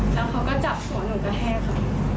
แล้วเขาก็จับหัวหนูกระแทกค่ะ